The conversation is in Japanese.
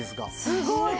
すごい！